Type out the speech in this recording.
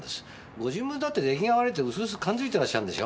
ご自分だって出来が悪いって薄々感づいてらっしゃるんでしょ？